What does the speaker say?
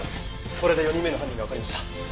これで４人目の犯人がわかりました。